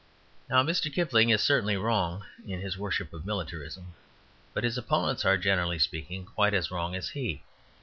Now, Mr. Kipling is certainly wrong in his worship of militarism, but his opponents are, generally speaking, quite as wrong as he.